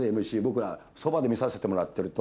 僕らそばで見させてもらってると。